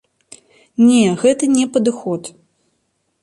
Не, гэта не падыход.